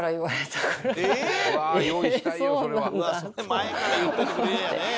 前から言ってくれりゃあね。